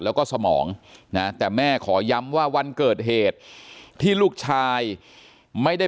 แล้วก็สมองนะแต่แม่ขอย้ำว่าวันเกิดเหตุที่ลูกชายไม่ได้